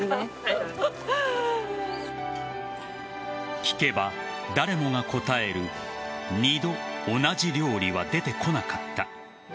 聞けば誰もが答える二度、同じ料理は出てこなかった。